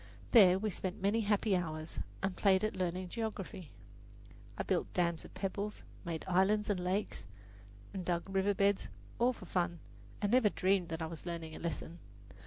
There we spent many happy hours and played at learning geography. I built dams of pebbles, made islands and lakes, and dug river beds, all for fun, and never dreamed that I was learning a lesson.